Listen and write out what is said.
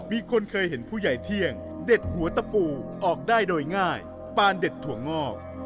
มีคนเคยเห็นผู้ใหญ่เที่ยงเด็ดหัวตะปูออกได้โดยง่ายปานเด็ดถั่วงอก